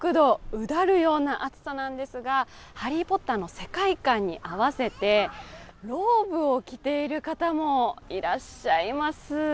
うだるような暑さなんですが、「ハリー・ポッター」の世界観に合わせてローブを着ている方もいらっしゃいます。